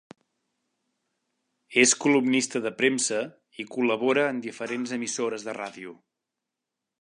És columnista de premsa i col·labora en diferents emissores de ràdio.